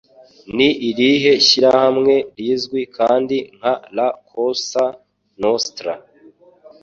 Ni irihe shyirahamwe rizwi kandi nka "La Cosa Nostra"?